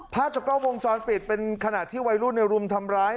ภาพจากกล้องวงจรปิดเป็นขณะที่วัยรุ่นในรุมทำร้าย